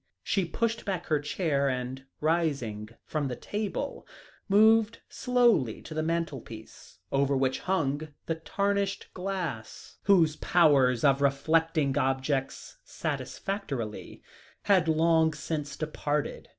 She pushed back her chair; and, rising from the table, moved slowly to the mantel piece, over which hung the tarnished glass whose powers of reflecting objects satisfactorily had long since departed.